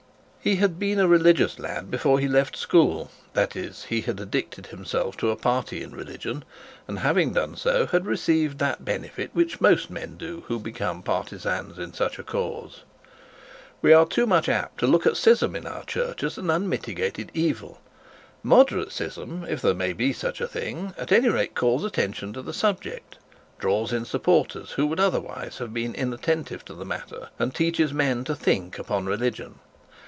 He had been a religious lad before he left school. That is, he had addicted himself to a party of religion, and having done so had received that benefit which most men do who become partisans in such a cause. We are much too apt to look at schism in our church as an unmitigated evil. Moderate schism, if there may be such a thing, at any rate calls attention to the subject, draws its supporters who would otherwise have been inattentive to the matter, and teaches men to think about religion.